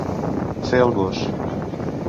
Fer el gos.